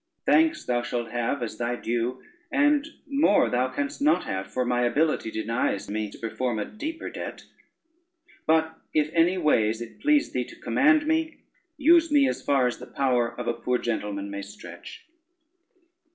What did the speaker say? Thanks thou shalt have as thy due, and more thou canst not have, for my ability denies me to perform a deeper debt. But if anyways it please thee to command me, use me as far as the power of a poor gentleman may stretch."